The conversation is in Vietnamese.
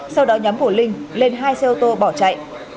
sau đó nhóm của linh lên hai xe ô tô bỏ chạy vượt việc đang được điều tra mùa rộng